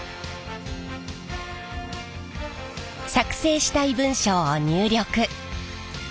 作成したい文章を入力。